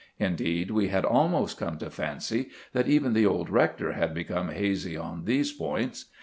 Indeed, we had almost come to fancy that even the old rector had become hazy on these points.